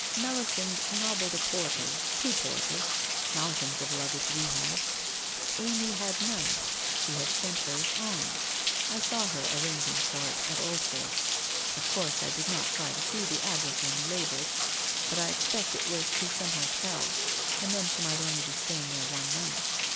1 Melisande nobbled a porter — two porters — mountains of luggage we had ! Amy had none ; she had sent hers on. I saw her arranging for it at Old fort. Of course I did not try to see the address on the labels, but I expect it was to some hotel, and then she might only be staying there one night.